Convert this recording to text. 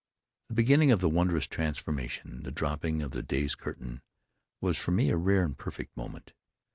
The beginning of the wondrous transformation, the dropping of the day's curtain, was for me a rare and perfect moment.